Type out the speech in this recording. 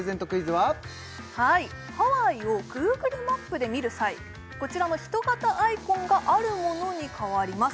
はいハワイをＧｏｏｇｌｅマップで見る際こちらの人形アイコンがあるものに変わります